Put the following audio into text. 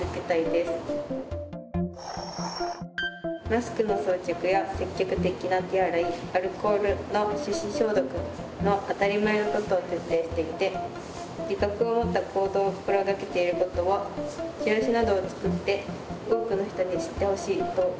マスクの装着や積極的な手洗いアルコールの手指消毒の当たり前のことを徹底していて自覚を持った行動を心がけていることをチラシなどを作って多くの人に知ってほしいと思いました。